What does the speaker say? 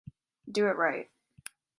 Do it right.